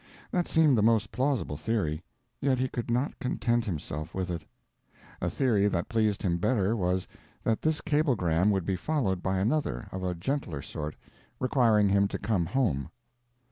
That seemed the most plausible theory, yet he could not content himself with it. A theory that pleased him better was, that this cablegram would be followed by another, of a gentler sort, requiring him to come home.